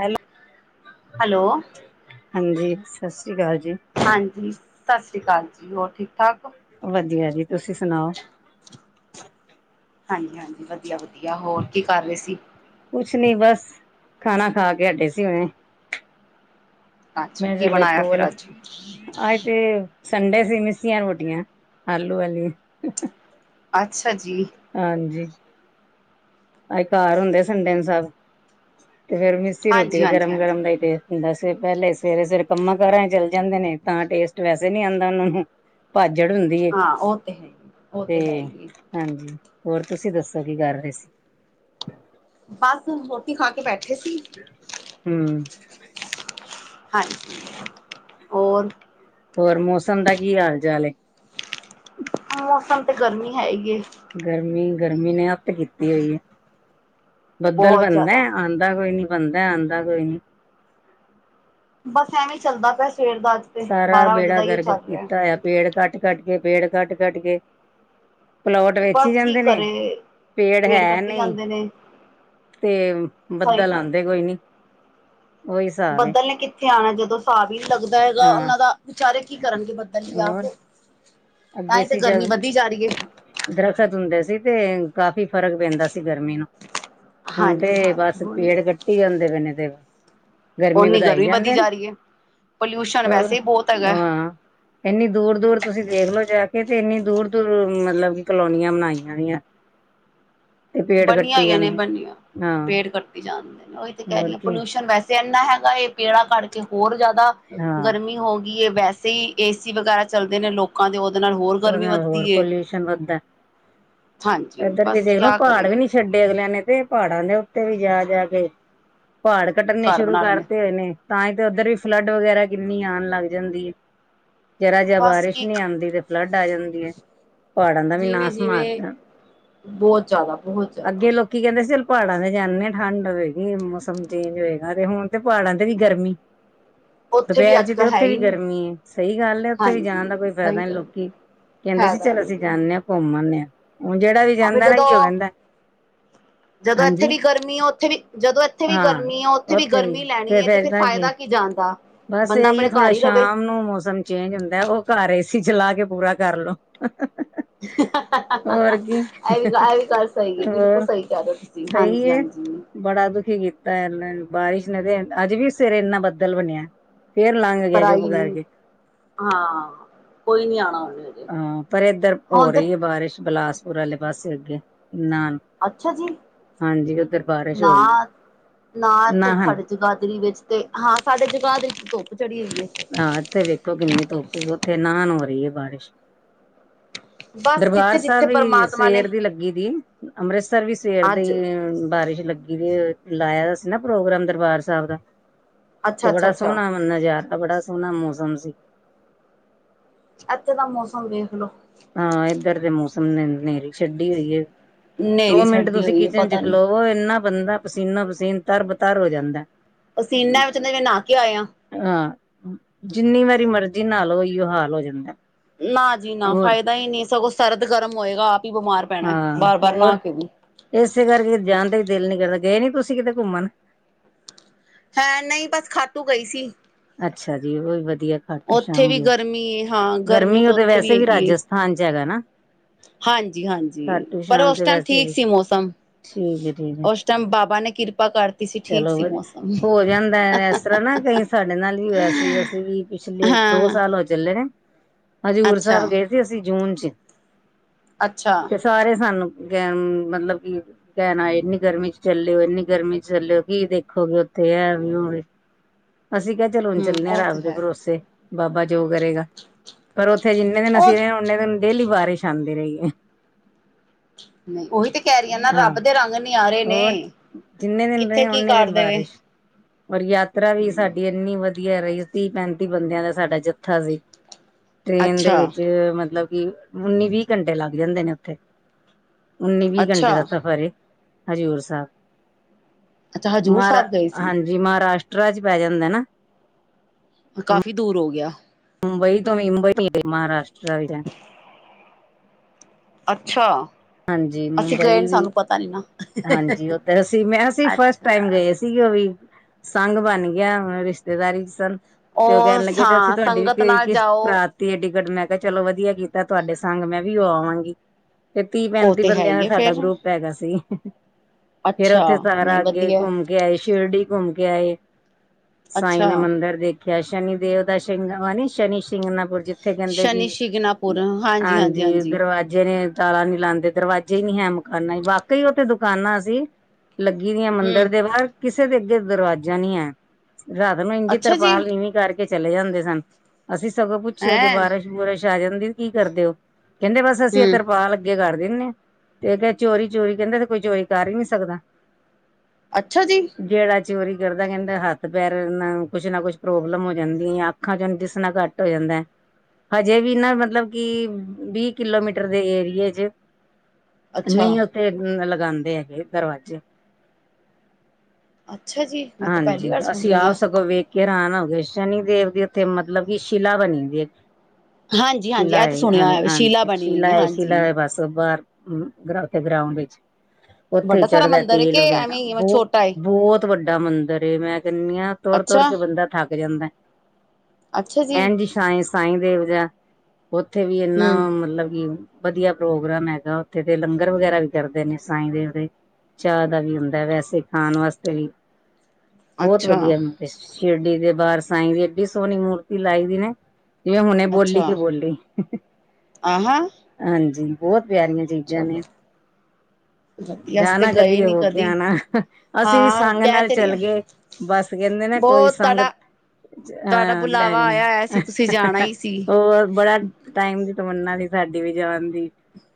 Hello hello ਹਾਜੀ, ਸਤਿ ਸ੍ਰੀ ਅਕਾਲ ਜੀ ਹਾਜੀ, ਸਤਿ ਸ਼੍ਰੀ ਅਕਾਲ ਜੀ, ਹੋਰ ਠੀਕ- ਠਾਕ ਹੋ, ਵੱਧੀਆ ਜੀ, ਤੁਸੀਂ ਸੁਣਾਓ ਹਾਂਜੀ- ਹਾਂਜੀ ਵੱਧੀਆ -ਵੱਧੀਆ ਹੋਰ ਕੀ ਕਰ ਰਹੇ ਸੀ, ਕੁਛ ਨੀ ਬਸ ਖਾਨਾ ਖਾ ਕੇ ਹਟੇ ਸੀ ਹੁਨੇ, ਅੱਛਾ ਕੀ ਮੇਜ਼ੱਲ ਬ ਬਣਾਇਆ ਫਿਰ ਪੂਲ ਅੱਜ ਆ [unintelligible] ਤੇ ਸੰਡੇ ਸੀ, ਮਿਸੀਆਂ ਰੋਟੀਆਂ ਆਲੂ ਵਾਲੀਆਂ। ਅੱਛਾ ਜੀ। ਹਾਂਜੀ। ਅੱਜ ਘਾਰ ਹੁੰਦੇ ਸੰਡੇ ਨੂੰ ਸਬ, ਤੇ ਫੇਰ ਮਿੱਸੀ ਰੋਟੀ ਹਾਂਜੀ ਹਾਂਜੀ ਗਰਮ ਹਾਂਜੀ -ਗਰਮ ਲਾਈ ਦੀ ਏ, ਦੱਸ ਵਜੇ ਪਹਿਲੇ ਸਵੇਰੇ -ਸਵੇਰੇ ਕੰਮਾਂ -ਕਾਰਾਂ ਚ ਚੱਲ ਜਾਂਦੇ ਨੇ, ਤਾਂ ਟੇਸਟ ਵੈਸੇ ਨੀ ਆਉਂਦਾ ਉਹਨਾਂ ਨੂੰ, ਭਾਜੜ ਹੁੰਦੀ ਏ ਹਾਂ ਉਹ ਤੇ ਹੈ ਹੀ, ਉਹ ਤੇ ਹੈ ਹੀ ਹਾਂਜੀ, ਹੋਰ ਤੁਸੀਂ ਦੱਸੋ ਕੀ ਕਰ ਰਹੇ ਸੀ? ਬਸ ਹੁਣ ਰੋਟੀ ਖਾ ਕੇ ਬੈਠੇ ਸੀ। ਹਮ। ਹਾਂਜੀ, ਹੋਰ ਹੋਰ ਮੌਸਮ ਦਾ ਕੀ ਹਾਲ ਚਾਲ ਹੈ? ਮੌਸਮ ਤੇ ਗਰਮੀ ਹੈ ਹੀ ਹੈ। ਗਰਮੀ -ਗਰਮੀ ਨੇ ਹ ਅਤ ਕੀਤੀ ਹੋਈ ਹੈ ਬੱਦਲ ਬਹੁਤ ਬਣਦਾ ਜ਼ਿਆਦਾ ਆਂਦਾ ਕੋਈ ਨੀ, ਬਣਦਾ ਆਂਦਾ ਕੋਈ ਨੀ। ਬਸ ਐਵੇਂ ਚੱਲਦਾ ਪਿਆ ਸਵੇਰ ਦਾ ਅੱਜ ਤੇ ਸਾਰਾ ਬਾਰਾਂ ਵਜੇ ਬੇੜਾ ਦਾ ਹੀ ਗਰਕ ਚੱਲ ਰਿਹਾ ਕੀਤਾ ਹੋਆ ਪੇੜ ਕਂਟ ਕੱਟ ਗਏ ਪੇੜ ਕੱਟ ਕੱਟ ਗਏ। ਪਲੋਟ ਵੇਚੀ ਹੀ ਬਸ ਕੀ ਜਾਂਦੇ ਨੇ ਕਰੇ ਪੇੜ ਹੈ ਕੱਟੀ ਨਹੀਂ। ਜਾਂਦੇ ਨੇ ਤੇ ਸਹੀ ਬੱਦਲ ਗੱਲ ਆਂਦੇ ਕੋਈ ਨੀ ਉਹੀ ਹਿਸਾਬ ਏ ਬੱਦਲ ਨੇ ਕਿੱਥੇ ਆਣਾ? ਜਦੋਂ ਸਾਬ ਹੀ ਨ ਲੱਗਦਾ ਹੈਗਾ ਹਾਂ ਉਹਨਾਂ ਦਾ ਵਿਚਾਰੇ ਕੀ ਕਰਨਗੇ। ਦ ਵੀ ਆਪ ਹੋਰ [unintelligible] ਤਾਂ ਅੱਗੇ ਹੀ ਤੇ ਸੀ ਗਰਮੀ ਜਦ ਵੱਧਦੀ ਜਾ ਰਹੀ ਹੈ। ਦਰਖਤ ਹੁੰਦੇ ਸੀ, ਤੇ ਕਾਫ਼ੀ ਫ਼ਰਕ ਪੈਂਦਾ ਸੀ ਗਰਮੀ ਨੂੰ। ਹੁਣ ਤੇ ਹਾਂਜੀ-ਹਾਂਜੀ ਬਸ ਹੁਣ ਪੇੜ ਕੱਟੀ ਜਾਂਦੇ ਪ ਏ ਨੇ ਤੇ ਗਰਮੀ ਓਨੀ ਵਧਾਈ ਵਧੀ ਜਾਂਦੇ ਨੇ, ਜਾ ਰਹੀ ਹੈ। ਪੋਲਿਊਸ਼ਨ ਹੋਰ ਵੈਸੇ ਹੀ ਬਹੁਤ ਹੈਗਾ ਹਾਂ। ਇੰਨੀ ਦੂਰ ਦੂਰ ਤੁਸੀਂ ਦੇਖਲੋ ਜਾ ਕੇ, ਤੇ ਇੰਨੀ ਦੂਰ ਦੂਰ ਮਤਲਬ ਕਿ ਕਲੋਨੀਆਂ ਬਣਾਈਆਂ ਦੀਆਂ। ਤੇ ਪੇੜ ਕੱਟੀ ਬਨੀਆਂਈਆਂ ਨੇ ਜਾਂਦੇ ਬੰਨੀਆਂ ਹਾਂ ਪੇੜ ਕੱਟ ਜਾਣਦੇ ਨੇ ਉਹੀ ਤੇ ਕਹਿ ਰਹੀ ਹੋਰ ਹਾਂ, ਕੀ ਪੋਲਿਊਸ਼ਨ ਵੈਸੇ ਇੰਨਾ ਹੈਗਾ, ਇਹ ਪੇੜਾ ਕੱਟ ਕੇ ਹੋਰ ਜ਼ਿਆਦਾ ਹਾਂ ਗਰਮੀ ਹੋ ਗਈ ਹੈ ਵੈਸੇ ਹੀ, ਏਸੀ ਵਗੈਰਾ ਚੱਲਦੇ ਨੇ ਲੋਕ ਲੋਕਾਂ ਦੀ ਉਹਦੇ ਨਾਲ ਹੋਰ ਉਹਦੇ ਗਰਮੀ ਨਾਲ ਹੋਰ ਵੱਧਦੀਏ। ਪੋਲਿਊਸ਼ਨ ਵੱਧਦਾ ਹਾਂਜੀ, ਇੱਧਰ ਵੀ ਬਸ ਦੇਖਲੋ ਕਿਆ ਪਹਾੜ ਕਰੇ? ਵੀ ਨੀ ਛੱਡੇ ਅਗਲਿਆਂ ਨੇ ਤੇ, ਪਹਾੜਾਂ ਦੇ ਉੱਤੇ ਵੀ ਜਾ -ਜਾ ਕੇ ਪਹਾੜ ਕੱਟਣੇੇ ਘਰ ਸ਼ੁਰੂ ਬਣਾ ਲੈਣੇ ਕਰਤੇ ਹੋਏ ਨੇ, ਤਾਂ ਹੀ ਤੇ ਉੱਧਰ ਵੀ ਫਲੱਡ ਵਗੈਰਾ ਕਿੰਨੀ ਆਣ ਲੱਗ ਜਾਂਦੀ ਹੈ। ਜਰਾ ਜ ਬਸ ਬਾਰਿਸ਼ ਕੀ ਨਹੀਂ ਆਂਦੀ, ਤੇ ਫਲੱਡ ਆ ਜਾਂਦੀ ਹੈ। ਪਹਾੜਾਂ ਦਾ ਵੀ ਨਾਸਮ੍ਹਾਰ ਜਿਵੇਂ-ਜਿਵੇਂ ਦਿਤਾ, ਬਹੁਤ ਜ਼ਿਆਦਾ ਬਹੁਤ ਜ਼ਿਆਦਾ ਅੱਗੇ ਲੋਕ ਕੀ ਕੈਂਦੇ, ਅ ਚਲ ਪਹਾੜਾਂ ਤੇ ਜਾਂਦੇ ਹਾਂ ਠੰਡ ਹੋਵੇਗੀ, ਮੌਸਮ ਚੇਂਜ ਹੋਏਗਾ, ਤੇ ਹੁਣ ਤੇ ਪਹਾੜਾਂ ਤੇ ਵੀ, ਗਰਮੀ [unintelligible] ਵੀ ਦੁਪੈਰ ਅੱਜ ਚ ਤੇ ਕੱਲ੍ਹ ਹੈ ਉੱਥੇ ਹੀ ਵੀ ਨਹੀਂ ਗਰਮੀ ਏ ਸਹੀ ਗੱਲ ਹੈ, ਉੱਥੇ ਵੀ ਜਾਣ ਦਾ ਹਾਂਜੀ ਕੋਈ ਸਹੀ ਫੈਦਾ ਨੀ, ਗੱਲ ਲੋਕ ਕੀ ਕੈਂਦੇ ਸੀ ਫਾਇਦਾ ਚਲ ਨਹੀਂ ਅਸੀਂ ਹੈ ਜਾਂਦੇ ਹਾਂ ਘੁੰਮ ਆਂਦੇ ਹਾਂ, ਹੁਣ ਜਿਹੜਾ ਵੀ ਜਾਂਦਾ ਨਾ ਇਹ ਕੈਂਦਾ ਹ [unintelligible] ਜਦੋਂ ਇੱਥੇ ਵੀ ਗਰਮੀ ਆ ਉੱਥੇ ਵੀ ਜਦੋਂ ਇੱਥੇ ਜਦੋ ਐਥੇ ਵੀ ਗਰਮੀ ਆ ਉੱਥੇ ਵੀ ਉਥੇ ਵੀ ਗਰਮੀ ਲੈਣੀ ਹੈ ਤੇ ਫਿਰ ਫਾਇਦਾ ਕੀ ਜਾਂਣਦਾ। ਬਸ, ਐਈ ਏ ਥੋੜਾ ਸ਼ਾਮ ਨੂੰ ਮੌਸਮ ਚੇਂਜ ਹੁੰਦਾ, ਉਹ ਘਰ ਏ ਸੀ ਚਲਾ ਕੇ ਪੂਰਾ ਕਰਲੋ। [unintelligible] ਇਹ ਵੀ ਇਹ ਵੀ ਗੱਲ ਸਹੀ ਹੈ, ਬਿਲਕੁਲ ਹੋਰ ਸਹੀ ਕੈ ਰੇ ਤੁਸੀਂ ਸਹੀ ਹਾਂਜੀ- ਏ ਹਾਂਜੀ ਬੜਾ ਦੁਖੀ ਕੀਤਾ ਇਹਨਾ ਬਾਰਿਸ਼ ਨੇ, ਤੇ ਅੱਜ ਵੀ ਸੇਰੇ ਇੰਨਾ ਬੱਦਲ ਬਣਿਆ। ਫਰ ਲਾਂ ਪਰ ਆਈ ਨੀ ਹਾਂ, ਕੋਈ ਨੀ ਆਣਾ ਉਹਨੇ। ਅਜੇ ਹਾਂ, ਪਰ ਏਧਰ ਹੋ ਹੁਣ ਤੇ ਰਹੀ ਹੈ ਬਾਰਿਸ਼ ਬਿਲਾਸਪੁਰ ਵਾਲੇ ਪਾਸੇ ਅੱਗੇ ਨਾਲ ਨਾਹਨ। ਅੱਛਾ ਜੀ ਹੋ ਰਹੀ ਹੈ ਨਾ ਨਾ ਇੱਥੇ ਨਾਹਨ ਸਾਡੇ ਜਗਾਦਰੀ ਵਿੱਚ ਤੇ ਹਾਂ, ਸਾਡੇ ਜਗਾਦਰੀ ਵਿੱਚ ਧੁੱਪ ਚੜੀ ਹੋਈ ਹੈ। ਹਾਂ, ਇੱਥੇ ਵੇਖੋ ਕਿੰਨੀ ਧੁੱਪ ਓਥੇ ਨਾਨ ਹੋ ਰਹੀ ਹੈ ਬਾਰਿਸ਼। ਬਸ ਦਰਬਾਰ ਜਿੱਥੇ ਸਾਬ ਜਿੱਥੇ ਵੀ ਪਰਮਾਤਮਾ ਨੇ ਸਵੇਰ ਦੀ ਲੱਗੀ ਦੀ ਅੰਮ੍ਰਿਤਸਰ ਵੀ ਸਵੇਰ ਦੀ ਅੱਜ ਬਾਰਿਸ਼ ਲੱਗੀ ਲਾਇਆ ਸੀ ਨਾ ਪ੍ਰੋਗਰਾਮ ਦਰਬਾਰ ਸਾਹਿਬ ਦਾ ਅੱਛਾ ਤੇ' ਅੱਛਾ ਬੜਾ ਅੱਛਾ ਸੋਹਣਾ ਮੰਨਾ ਯਾਰ ਬੜਾ ਸੋਹਣਾ ਮੌਸਮ ਸੀ। ਅੱਥੇ ਦਾ ਮੌਸਮ ਵੇਖਲੋ ਹਾਂ, ਇੱਧਰ ਦੇ ਮੌਸਮ ਨੇਰੀ ਛੱਡੀ ਹੋਈ ਏ, ਦੋ ਹਨੇਰੀ ਮਿੰਟ ਛੱਡਦੀ ਤੁਸੀਂ ਹੋਈ ਹੈ ਕਿਚਨ ਪਤਾ 'ਚ ਨੀ ਖਲਓ ਉਹ ਇੰਨਾ ਬੰਦਾ ਪਸੀਨੋ ਪਸੀਨ ਤਰਬ-ਤਰ ਹੋ ਜਾਂਦਾ ਪਸੀਨਾ ਵਿੱਚ ਜਿਵੇਂ ਨਾ ਕੇ ਆਏ ਹਾਂ। ਆ ਜਿੰਨੀ ਵਾਰੀ ਮਰਜ਼ੀ ਨਾਹ ਲਓ, ਇਓ ਹਾਲ ਹੋ ਜਾਂਦਾ ਨਾ ਜੀ ਨਾ ਹੋਰ ਫਾਇਦਾ ਹੀ ਨੀ, ਸਗੋਂ ਸਰਦ-ਗਰਮ ਹੋਏਗਾ ਆਪ ਹੀ ਬਿਮਾਰ ਪੈਣਾ ਹਾਂ ਬਾਰ-ਬਾਰ ਨਾਹ ਹੋਰ ਕੇ ਵੀ ਇਸੇ ਕਰਕੇ ਕੀਤੇ ਜਾਣ ਦਾ ਵੀ ਦਿਲ ਨੀ ਕਰਦਾ, ਗਏ ਨੀ ਤੁਸੀਂ ਕਿਤੇ ਘੁੰਮਣ? ਹੈਂ ਨਹੀਂ ਬਸ ਖਾਟੂ ਗਈ ਸੀ। ਅੱਛਾ ਜੀ, ਉਹ ਵੀ ਵਧੀਆ ਖੱਟ ਉੱਥੇ ਛਾਮ ਵੀ ਗੇ ਗਰਮੀ ਹਾਂ ਗਰਮੀ ਤਾਂ ਉਹ ਤੇ ਉੱਥੇ ਵੈਸੇ ਵੀ ਰਾਜਸ ਥਾਨ ਚ' ਹੈਗਾ ਨਾ? ਹਾਂਜੀ-ਹਾਂਜੀ, ਖਾਟੂ ਪਰ ਸ਼ਾਮ ਉਸ ਤੇ ਟਾਈਮ ਵੈਸੇ ਠੀਕ ਵੀ ਸੀ ਮੌਸਮ ਠੀਕ ਹੈ ਠੀਕ ਹੈ ਉਸ [inaudible] ਬਾਬਾ ਨੇ ਕਿਰਪਾ ਕਰ ਚਲੋ ਵਧੀਆ, ਹੋ ਜਾਂਦਾ ਇਸ ਤਰ੍ਹਾਂ ਨਾ ਕਈ ਸਾਡੇ ਨਾਲ ਵੀ ਹੋਇਆ ਸੀ, ਅਸੀਂ ਵੀ ਪਿਛਲੇ ਦੋ ਹਾਂ ਸਾਲ ਹੋ ਚੱਲੇ ਨੇ ਹਜ਼ੂਰ ਅੱਛਾ ਸਾਹਿਬ ਗਏ ਸੀ, ਅਸੀਂ ਜੂਨ ਚ ਅੱਛਾ। ਤੇ' ਸਾਰੇ ਸਾਨੂੰ ਕਹਿ ਮਤਲਬ ਕਿ ਕਹਿਣ ਆਏ ਇੰਨੀ ਗਰਮੀ ਚ' ਚੱਲੇ ਓ ਇੰਨੀ ਗਰਮੀ ਚ' ਚੱਲਿਓ ਕੀ ਦੇਖੋਗੇ ਉੱਥੇ ਹੈ ਵੀ ਹੋਵੇ, ਅਸੀਂ ਕ ਹਮ ਚਲੋ-ਚੱਲੇ ਆ ਉਹ ਤੇ ਰੱਬ ਦੇ ਹੈ ਭਰੋਸੇ ਬਾਬਾ ਜੋ ਕਰੇਗਾ ਪਰ ਉੱਥੇ ਜਿੰਨੇ ਦਿਨ ਉਹ ਅਸੀਂ ਰਹੇ ਆਂ ਇੰਨੇ ਦਿਨ ਡੇਲੀ ਬਾਰਿਸ਼ ਆਉਂਦੀ ਰਹੀ ਏ। ਨਹੀਂ ਉਹੀ ਤੇ ਕਹਿ ਰਹੀਆਂ ਨਾ ਹਾਂ ਰੱਬ ਦੇ ਰੰਗ ਨਿਆਰੇ ਹੋਰ ਨੇ ਜਿੰਨੇ ਦਿਨ ਕਿੱਥੇ ਰਹੇ ਕੀ ਓਨੇ ਕਰ ਦਿਨ ਦੇਵੇ। ਬਾਰਿਸ਼ ਔਰ, ਯਾਤਰਾ ਵੀ ਸਾਡੀ ਇੰਨੀ ਵਧੀਆ ਰਹੀ ਤੀਹ, ਪੈਂਤੀ ਬੰਦਿਆਂ ਦਾ ਸਾਡਾ ਜੱਥਾ ਸੀ ਟ੍ਰੇਨ ਦੇ ਅੱਛਾ, ਵਿੱਚ ਮਤਲਬ ਕਿ ਉੱਨੀ-ਵੀਹ ਘੰਟੇ ਲੱਗ ਜਾਂਦੇ ਨੇ ਉੱਥੇ ਉੱਨੀ- ਵੀਹ ਅੱਛਾ, ਘੰਟੇ ਦਾ ਸਫ਼ਰ ਏ ਹਜ਼ੂਰ ਸਾਹਿਬ ਅੱਛਾ ਹਜ਼ੂਰ ਮਹਾਰਾ ਸਾਹਿਬ ਗਏ ਸੀ। ਹਾਂਜੀ ਮਹਾਰਾਸ਼ਟਰਾ 'ਚ ਪੈ ਜਾਂਦੇ ਨਾ? ਹ ਕਾਫ਼ੀ ਦੂਰ ਹੋ ਗਿਆ ਮੁੰਬਈ ਤੋਂ ਮੁੰਬਈ ਮਹਾਰਾਸ਼ਟਰ ਵਿੱਚ ਜਾ ਅੱਛਾ? ਹਾਂਜੀ ਅਸੀਂ ਗਏ ਨੀ ਮੁੰਬਈ ਵੀ ਸਾਨੂੰ ਪਤਾ ਨੀ ਨਾ ਹਾਂਜੀ, ਉਹ ਤਾਂ ਹੈ। ਅਸੀਂ ਫਸਟ ਟਾਈਮ ਅੱਛਾ। ਗਏ ਸੀ ਸੀ ਉਹ ਵੀ ਸੰਘ ਬਣ ਗਿਆ, ਰਿਸ਼ਤੇਦਾਰੀ ਸਨ ਤੇ' ਉਹ ਕਹਿਣ ਲੱਗੇ ਕਿ ਅਸੀਂ ਹਾਂ ਤੁਹਾਡੀ ਸੰਗਤ ਵੀ ਨਾਲ ਕਿਸਤ ਜਾਓ ਕਰਾ ਤੇ' ਟਿਕਟ ਮੈਂ ਕਿਹਾ ਚਲੋ ਵਧੀਆ ਕੀਤਾ ਤੁਹਾਡੇ ਸੰਗ ਮੈਂ ਵੀ ਉਹ ਆਵਾਂਗੀ। ਤੇ ਤੀਹ, ਉਹ ਪੈਂਤੀ ਤੇ ਹੈ ਬੰਦਿਆਂ ਹੀ ਦਾ ਹੈ ਸਾਡਾ ਫੇਰ ਗਰੁੱਪ ਹੈਗਾ ਸੀ। ਫੇਰ ਅੱਛਾ ਉੱਥੇ ਸਾਰਾ ਨਹੀਂ ਅੱਗੇ ਵਧੀਆ ਘੁੰਮ ਆਏ ਸ਼ਿਰਡੀ ਘੁੰਮ ਕੇ ਆਏ ਸਾਈ ਅੱਛਾ। ਦਾ ਮੰਦਰ ਦੇਖ ਖਿਆ ਸ਼ਨੀ ਦੇਵ ਦਾ ਸਿੰਘ ਨੇ ਸ਼ਨੀ ਸਿੰਘਨਾ ਬਲ ਜਿੱਥੇ ਕਹਿੰਦੇ ਕਿ ਹਾਂਜੀ, ਦਰਵਾਜ਼ੇ ਜਿ ਨੇ ਤਾਲਾਂ ਨੀ ਲਾਂਦੇ ਦਰਵਾਜ਼ੇ ਹੀ ਨੀ ਹੈ ਮਕਾਨਾ ਹੀ ਵਾਕਈ ਉੱਥੇ ਦੁਕਾਨਾਂ ਸੀ ਲੱਗੀ ਦੀਆਂ ਮੰਦਿਰ ਹੂੰ ਦੇ ਬਾਹਰ ਕਿਸੇ ਦੇ ਅੱਗੇ ਦਰਵਾਜ਼ਾ ਨਹੀਂ ਐ ਰਾਤ ਨੂੰ ਇੰਝ ਈ ਅੱਛਾ ਜੀ। ਤਰਪਾਲ ਨੀਵੀਂ ਕਰਕੇ ਚਲੇ ਜਾਂਦੇ ਸਨ, ਅਸੀਂ ਸਗੋਂ ਪੁੱਛਿਆ ਜੇ' ਹੈਂ ਬਾਰਿਸ਼ ਬੁਰਿਸ਼ ਆ ਜਾਂਦੀ ਕੀ ਕਰਦੇ ਹੋ? ਕਹਿੰਦੇ ਬਸ ਅਸੀਂ ਇਹ ਹੂੰ ਤਰਪਾਲ ਅੱਗੇ ਕਰ ਦਿੰਦੇ ਆ ਤੇ ਕ ਚੋਰੀ-ਚੋਰੀ ਕਹਿੰਦਾ ਤੇ ਕੋਈ ਚੋਰੀ ਕਰ ਹੀ ਨੀ ਸਕਦਾ ਅੱਛਾ ਜੀ? ਜੇੜਾ ਚੋਰੀ ਕਰਦਾ ਕਹਿੰਦਾ ਹੱਥ ਪੈਰ ਨਾ ਕੁੱਛ ਨਾ ਕੁਛ ਪ੍ਰੋਬਲਮ ਹੋ ਜਾਂਦੀ ਅੱਖਾਂ ਚੋਂ ਉਹਨੂੰ ਦਿਸਣਾ ਘੱਟ ਹੋ ਜਾਂਦੇ। ਹਜੇ ਵੀ ਨਾ ਮਤਲਬ ਕਿ ਵੀਹ ਕਿਲੋਮੀਟਰ ਦੇ ਏਰੀਏ ਚ। ਅੱਛਾ। ਨਹੀਂ ਉੱਥੇ ਲਗਾਦੇ ਹੈਗੇ ਦਰਵਾਜ਼ੇ। ਅੱਛਾ ਜੀ ਮੈਂ ਤੇ ਪਹਿਲੀ ਹਾਂਜੀ ਵਾਰ ਸੁਣ ਅਸੀਂ ਰਹੀ ਆ ਸਗੋਂ ਵੇਖ। ਕਿ ਹੈਰਾਨ ਹੋ ਗਏ ਸ਼ਨੀਦੇਵ ਦੀ ਉੱਥੇ ਮਤਲਬ ਕਿ ਸ਼ਿਲਾ ਬਣੀ ਹੁੰਦੀ ਹਾਂਜੀ ਹਾਂਜੀ ਸ਼ੀਲਾ ਇਹ ਤੇ ਐ ਸੁਣਿਆ ਹੋਇਆ ਹਾਂਜੀ ਬਣੀ ਹੋਈ ਸ਼ੀਲਾ ਹੈ ਐ ਹਾਂਜੀ ਸ਼ੀਲਾ ਦੇ ਪਸੋ ਬਾਰ। ਹਮ ਉਥੇ ਗਰਾਊਂਡ ਵਿੱਚ ਉੱਥੇ ਵੱਡਾ ਸਾਰਾ ਚੜ੍ਹਦਾ ਮੰਦਿਰ ਹੈ ਤੇਲ ਕਿ ਵਗੈਰਾ ਐਵੇਂ ਬਹੁ ਹੀ ਬਹੁਤ ਛੋਟਾ ਏ ਬਹੁਤ ਵੱਡਾ ਮੰਦਿਰ ਏ ਮੈਂ ਕਹਿੰਦੀ ਹਾਂ ਤੁਰ ਤੁਰ ਅੱਛਾ ਕੇ ਬੰਦਾ ਥੱਕ ਜਾਂਦਾ ਐਨ ਜੀ ਸਾਏ ਸਾਈ ਦੇਵ ਜਾ ਉੱਥੇ ਵੀ ਇਨਾ ਹਮ ਮਤਲਬ ਕੀ ਵਧੀਆ ਪ੍ਰੋਗਰਾਮ ਹੈਗਾ ਉੱਥੇ ਤੇ ਲੰਗਰ ਵਗੈਰਾ ਵੀ ਕਰਦੇ ਨੇ ਸਾਈ ਦੇਵ ਦੇ ਚਾਹਅ ਦਾ ਵੀ ਹੁੰਦਾ ਹੈ, ਵੈਸੇ ਖਾਣ ਵਾਸਤੇ ਵੀ। ਬਹੁਤ ਅੱਛਾ ਵਧੀਆ ਆ ਸ਼ਿਰਡੀ ਦੇ ਬਾਰ ਸਾਈ ਦੀ ਏਡੀ ਸੋਹਣੀ ਮੂਰਤੀ ਲਾਈ ਦੀ ਨੇ। ਜਿਵੇਂ ਹੁਣੇ ਬੋਲੀ ਕਿ ਅੱਛਾ ਬੋਲੀ ਆਹਾਂ ਹਾਂਜੀ ਬਹੁਤ ਪਿਆਰੀਆਂ। ਚੀਜ਼ਾਂ ਚਲੋ ਨੇ। ਵਧੀਆ ਅਸੀਂ ਤੇ ਜਾਣਾ ਗਏ ਕਦੀ ਨੀ ਹੋ ਕੇ ਆਣਾ ਅਸੀਂ ਵੀ ਹਾਂ ਸੰਗ ਕਹਿ ਨਾਲ ਤੇ ਰਹੀ ਚੱਲ ਆ ਗਏ। ਬਸ ਕਹਿੰਦੇ ਨ ਕੋਈ ਬਹੁਤ ਤੁਹਾਡਾ ਸੰਗਤ। ਤੁਹਾਡਾ ਹਾਂ ਲੈ ਬੁਲਾਵਾ ਜਾਂਦਾ ਆਇਆ ਹੋਇਆ ਸੀ ਤੁਸੀਂ ਜਾਣਾ ਹੀ ਸੀ ਹੋਰ ਬੜਾ। ਟਾਈਮ ਦੀ ਤਮੰਨਾ ਦੀ ਸਾਡੀ ਵੀ ਜਾਣ ਦੀ।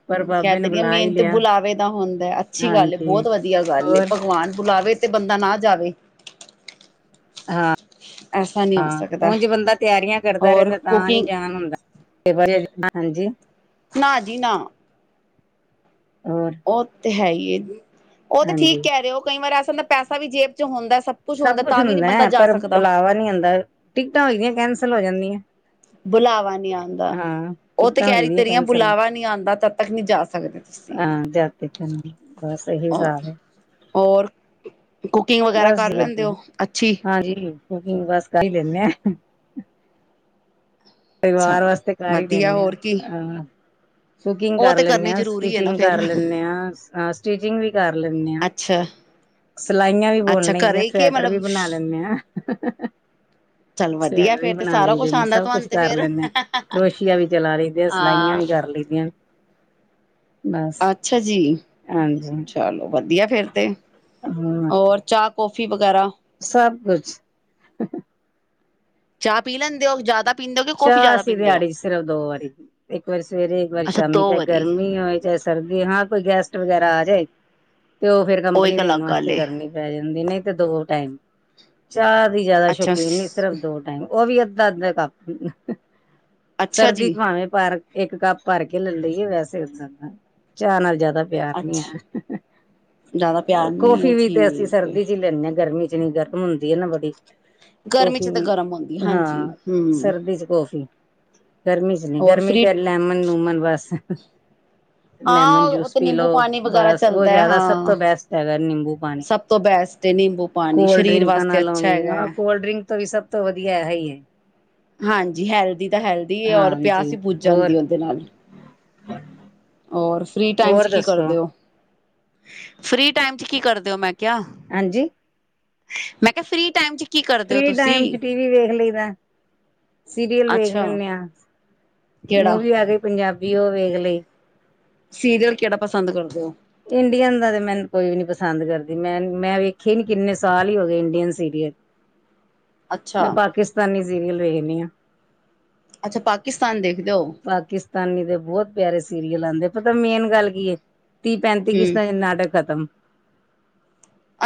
ਪਰ ਬਾਬੇ ਨੇ ਕਹਿਤੇ ਰਹੀ ਹਾ ਕੇ ਬੁਲਾ ਹੀ ਮੇਨ ਤੇ ਲਿਆ ਬੁਲਾਵੇ। ਕਮ ਹੁੰਦਾ ਅੱਛੀ ਗੱਲ ਹਾਂਜੀ। ਬਹੁਤ ਵਧੀਆ ਗੱਲ ਏ ਹੋਰ ਭਗਵਾਨ ਬੁਲਾਵੇ ਤੇ ਬੰਦਾ ਨਾ ਜਾਵੇ। ਹਾਂ ਐਸਾ ਨਹੀਂ ਹੋ ਹਾਂ ਸਕਦਾ ਉਜ ਬੰਦਾ ਤਿਆਰੀਆਂ ਕਰਦਾ ਹੋਰ ਰਹਿੰਦਾ ਤਾਂ ਨੀ ਕੁਕਿੰਗ ਜਾਨ ਹੁੰਦਾ। ਤੇ ਵਰੇ ਨ ਹਾਂਜੀ ਨਾ ਜੀ ਨਾ। ਹੋਰ। ਉਹ ਤੇ ਹੈ, ਹੀ ਏ ਉਹ ਤੇ ਠੀਕ ਹਾਂਜੀ। ਕਹਿ ਰਹੇ ਹੋ, ਕਈ ਵਾਰ ਐਸਾ ਹੁੰਦਾ ਪੈਸਾ ਵੀ ਜੇਬ ਚ ਹੁੰਦਾ ਸਭ। ਕੁਛ ਸਭ ਕੁੱਛ ਤਾਂ ਵੀ ਨੀ ਹੁੰਦਾ ਬੰਦਾ ਹੈ, ਜਾ ਪਰ ਸਕਦਾ। ਬੁਲਾਵਾ ਨਹੀਂ ਆਉਦਾ ਟਿਕਟਾਂ ਹੋ ਜਾਂਦੀਆਂ ਕੈਂਸਲ ਹੋ ਜਾਂਦੀਆਂ। ਬੁਲਾਵਾ ਨਹੀਂ ਆਉਂਦਾ ਹਾਂ ਉਹ ਤੇ ਟਿਕਟਾਂ ਕਹਿ‌ ਹੋਈ ਰਹੀ ਦੀਆਂ ਤੇਰੀਆਂ ਕੈਂਸਲ ਬੁਲਾਵਾ ਨਹੀਂ ਆਉਂਦਾ ਤਦ ਤੱਕ ਨਹੀਂ‌ ਜਾ ਸਕਦੇ। ਤੁਸੀਂ। ਹਾਂ ਜਾਤੀ ਚ ਬਸ ਇਹੀ ਔਰ ਹਿਸਾਬ ਹੈ। ਹੋਰ ਕੁਕਿੰਗ ਵਗੈਰਾ ਬਸ ਕਰ ਜੀ ਲੈਂਦੇ ਵਧੀਆ ਹੋ ਅੱਛੀ। ਹਾਂਜੀ। ਕੁਕਿੰਗ ਬਸ ਕਰ ਹੀ ਲੈਂਨੇ ਆ। ਪਰਿਵਾਰ ਚਲੋ ਵਾਸਤੇ ਕਰ ਹੀ ਵਧੀਆ ਲੈਂਦੇ ਹੋਰ ਕੀ ਹਾਂ। ਕੁਕਿੰਗ ਉਹ ਕਰ ਤੇ ਲੈਂਦੇ ਕਰਨੀ ਹਾਂ ਜ਼ਰੂਰੀ ਹੈ ਨਾ ਸਟਿਚਿੰਗ ਫੇਰ ਕਰ ਲੈਂਦੇ ਹਾਂ ਅ ਸਟਿਚਿੰਗ ਵੀ ਕਰ ਲੈਂਦੇ ਹਾਂ। ਅੱਛਾ ਸਿਲਾਈਆਂ ਵੀ ਬੂਣ ਅੱਛਾ ਲਈ ਦੀਆਂ ਘਰੇ ਕਿ ਸਵੈਟਰ ਵੀ ਮਤਲਬ ਬਣਾ ਲੈਂਦੇ ਹਾਂ। ਚੱਲ ਵਧੀਆ ਸਵੈਟਰਰ ਵੀ ਫੇਰ ਤੇ ਬਣਾ ਸਾਰਾ ਲਈਦੇ ਕੁਛ ਨੇ ਆਂਦਾ ਸਭ ਤੁਹਾਨੂੰ ਕੁਛ। ਤੇ ਕਰ ਫੇਰ ਲੈਂਦੇ ਹਾਂ ਕਰੋਸ਼ੀਆ ਵੀ ਚਲਾ ਲੈਂਦੇਆਂ ਸਿਲਾਈਆਂ ਹਾਂ ਵੀ ਕਰ ਲਈ ਦੀਆਂ। ਅੱਛਾ ਜੀ ਹਾਂਜੀ ਚਲੋ ਵਧੀਆ ਫਿਰ ਤੇ ਹੋਰ। ਚਾਹ ਕੌਫੀ ਵਗੈਰਾ। ਸਭ ਕੁਛ ਚਾਹ ਪੀ ਲੈਂਦੇ ਹੋ ਜ਼ਿਆਦਾ ਪੀਂਦੇ ਹੋ ਕਿ ਕੌਫੀ ਚਾਹ ਜ਼ਿਆਦਾ ਅਸੀਂ ਪੀਂਦੇ ਹੋ ਦਿਹਾੜੀ ਚ ਸਿਰਫ ਦੋ ਵਾਰੀ ਇੱਕ ਵਾਰੀ ਸਵੇਰੇ ਇੱਕ ਵਾਰੀ ਅੱਛਾ ਸ਼ਾਮੀ ਦੋ ਚਾਹੇ ਵਾਰੀ ਗਰਮੀ ਹੋਵੇ ਚਾਹੇ‌ ਸਰਦੀ ਹਾਂ, ਕੋਈ ਗੈਸਟ ਵਗੈਰਾ ਆ ਜਾਏ ਤੇ ਉਹ ਫੇਰ ਕੰਪਨੀ ਇੱਕ ਅਲੱਗ ਦੇਣ ਗੱਲ ਵਾਸਤੇ ਏ ਕਰਨੀ। ਰੈ ਜਾਂਦੀ ਨਹੀਂ ਤੇ ਦੋ ਟਾਈਮ ਚਾਹ ਦੀ ਜ਼ਿਆਦਾ ਅੱਛਾ ਸ਼ੌਕੀਨ ਨੀ ਸਿਰਫ ਦੋ ਟਾਈਮ ਉਹ ਵੀ ਅੱਧਾ ਅੱਧਾ ਕੱਪ ਹੁੰਦਾ ਅੱਛਾ ਸਰਦੀ ਜੀ ਚ ਭਾਵੇਂ ਭੱਰ। ਇੱਕ ਕੱਪ ਭਰ ਕੇ ਲੈ ਲਈਏ ਵੈਸੇ ਚਾਹ ਨਾਲ ਜ਼ਿਆਦਾ। ਪਿਆਰ ਨੀ ਅੱਛਾ ਹੈ, ਜ਼ਿਆਦਾ ਪਿਆਰ ਨੀ ਹੈ ਕੌਫੀ ਵੀ ਤੇ ਅਸੀਂ ਠੀਕ ਏ ਸਰਦੀ ਚ ਹੀ ਲੈਂਦੇ ਹਾਂ ਗਰਮੀ ਚ। ਜਿੰਨੀ ਗਰਮ ਹੁੰਦੀ ਹੈ, ਨਾ ਬੜੀ ਗਰਮੀ ਚ ਕਾਫੀ ਤਾਂ ਵੀ ਗਰਮ ਹੁੰਦੀ ਹਾਂਜੀ ਹਾਂ। ਹਮ ਸਰਦੀ ਚ ਕੌਫੀ ਗਰਮੀ ਚ ਨੀ ਹੋਰ ਗਰਮੀ ਫਰੀ ਤੇ ਲੈਮਨ ਲੂਮਨ ਬਸ। ਹ [inaudible] ਲੈਮਨ ਜੂਸ ਪੀ ਲੋੋ ਬਸ ਓ ਹੈ ਜ਼ਿਆਦਾ ਸਭ ਹਾਂ ਤੋਂ ਬੈਸਟ ਹੈਗਾ ਨਿੰਬੂ ਪਾਣੀ। ਸਭ ਤੋਂ ਬੈਸਟ ਏ ਨਿੰਬੂ ਪਾਣੀ ਕੋਲਡ ਸਰੀਰ ਡਰਿੰਕਾਂ ਵਾਸਤੇ ਨਾਲੋਂ ਅੱਛਾ ਵੀ ਹੈਗਾ ਹਾਂ, ਕੋਲਡ ਡਰਿੰਕ ਤੋਂ ਵੀ ਸਭ ਤੋਂ ਵਧੀਆ ਹੈ ਹੀ। ਹਾਂਜੀ, ਹੈਲਦੀ ਤਾਂ ਹੈਲਦੀ। ਔਰ ਹਾਂਜੀ ਪਿਆਸ ਵੀ ਬੁੱਜ ਹੋਰ ਜਾਂਦੀ ਓਦੇ ਨਾਲ਼। ਓਰ ਫ੍ਰੀ ਟਾਇਮ ਹੋਰ ਚ ਕੀ ਦੱਸੋ ਕਰਦੇਂ ਹੋ? ਫ੍ਰੀ ਟਾਈਮ ਚ ਕੀ ਕਰਦੇਂ ਹੋ ਮੈਂ ਕਿਆ? ਹਾਂਜੀ। ਮੈਂ ਕਿਹਾਂ ਫ੍ਰਰੀ ਟੈਮ ਚ। ਕੀ ਕਰਦੇ ਹੋ ਫ੍ਰੀ ਟਾਇਮ ਚ ਤੁਸੀਂ ਟੀਵੀ ਵੇਖ ਲਈਦਾ। ਸੀਰੀਅਲ ਵੇਖ ਅੱਛਾ ਲੈਂਨੇ ਆ। ਕਿਹੜਾ ਮੂਵੀ ਆ ਗਈਂ ਪੰਜਾਬੀ ਓ ਵੇਖ ਲਈ। ਸੀਰੀਅਲ ਕੇੜਾ ਪਸੰਦ ਕਰਦੇਂ ਓ। ਇੰਡੀਅਨ ਦਾ ਤੇ ਮੈਂਨੂੰ ਕੋਈ ਵੀ ਨੀਂ ਪਸੰਦ ਕਰਦੀ। ਮੈਂ, ਮੈਂ ਵੇਖੇ ਹੀ ਨੀਂ ਕਿੰਨੇਂ ਸਾਲ ਹੀ ਹੋਗੇ ਇੰਡੀਅਨ ਸੀਰੀਅਲ। [unintelligible] ਮੈ ਪਾਕਿਸਤਾਨੀ ਸੀਰੀਅਲ ਵੇਖਦੀ ਆਂ। ਅੱਛਾ, ਪਾਕਿਸਤਾਨ ਦੇਖਦੇ ਓ। ਤਾਨੀ ਦੇ ਬੋਤ ਪਿਆਰੇ ਸੀਰੀਅਲ ਆਂਦੇ। ਪਤਾਂ ਮੇਨ ਗੱਲ਼ ਕੀ ਏਂ। ਤੀਹ ਪੈਂਤੀ ਹਮ ਕਿਸ਼ਤਾਂ ਚ ਨਾਟਕ ਖ਼ਤਮ।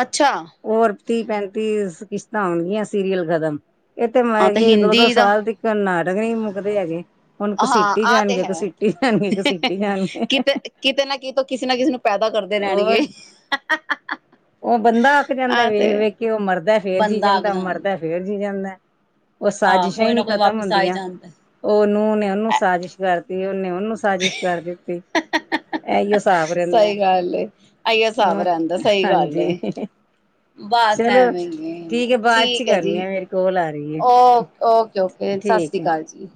ਅੱਛਾ। ਹੋਰ ਤੀਹ ਪੈਂਤੀ ਕਿਸ਼ਤਾਂ ਹੋਗੀਆਂ ਸੀਰੀਅਲ ਖ਼ਤਮ। ਏਤੇ ਮੈ ਹਾਂ ਤੇ ਕੈਂਦੀ ਦੋ-ਦੋ ਹਿੰਦੀ ਦਾ ਸਾਲ ਤਿਕਰ ਨਾਟਕ ਨ੍ਹੀਂ ਮੁੱਕਦੇ ਹੈਗੇ। ਓਨੂੰ ਹਾਂ ਕਸੀਟੀ ਆਹ ਤੇ ਜਾਂਣਗੇ, ਹੈ ਕਸੀਟੀ ਜਾਂਣਗੇ, ਕਸੀਟੀ ਜਾਂਣਗੇ। ਕਿਤੇ ਕਿਤੇ ਨਾ ਕਿਤੋਂ ਕਿਸ਼ੇ ਨਾ ਕਿਸ਼ੇ ਨੂੰ ਪੈਂਦਾਂ ਕਰਦੇਂ ਰੈਣਗੇ। ਓਬੰਦਾਂ ਅੱਕ ਜਾਂਦਾਂ ਵੇਖ-ਵੇਖ ਕੇ। ਓ ਮਰਦਾਂ ਫ਼ਿਰ ਜੀਅ ਬੰਦਾ ਆ ਕੇ ਜਾਂਦਾਂ। ਓ ਜਾਂਦਾ ਮਰਦਾਂ ਫੇਰ ਫੇਰ ਜੀਅ ਜਾਂਦਾਂ। ਓ ਆਹ ਸਾਜ਼ਿਸ਼ਾਂ ਹੀ ਕੋਈ ਨਾ ਨੀਂ ਕੋਈ ਖ਼ਤਮ ਵਾਪਿਸ ਆ ਹੀ ਹੁੰਦੀਆਂ। ਜਾਂਦਾ ਓਨੇ ਓਨੂੰ ਸਾਜਿਸ਼ ਕਰਤੀ ਓਹਨੇਂ ਓਹਨੂੰ ਸਾਜਿਸ਼ ਕਰ ਦਿੱਤੀ। ਐਇਓ ਸਹੀ ਗੱਲ਼ ਏਂ, ਆਇਓ ਸਾਬ ਹੋਰ ਰੈਦਾਂ। ਸਈ ਗੱਲ਼ ਹਾਂਜੀ ਏਂ। ਬਸ ਚਲੋ ਐਵੈਂ ਈ ਠੀਕ ਏਂ। ਹੈ ਬਾਅਦ ਚ ਠੀਕ ਏਂ ਕਰਨੀ ਜੀ ਆ ਮੇਰੇ ਕੋਲ ਆ ਰਹੀ ਹੈ ਓ ਓਕੇ-ਓਕੇ ਠੀਕ ਸਾਸਰੀ ਹੈ ਅਕਾਲ ਜੀ।